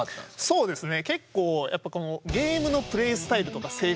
そうですね